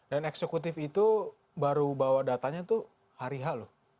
dan eksekutif itu baru bawa datanya tuh hari hal loh